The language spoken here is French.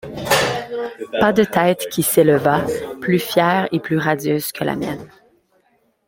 Pas de tête qui s’élevât plus fière et plus radieuse que la mienne.